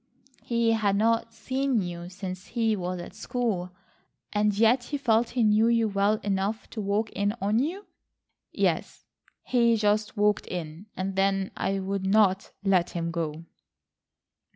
"He had not seen you since he was at school, and yet he felt he knew you well enough to walk in on you!" "Yes, he just walked in, and then I would not let him go."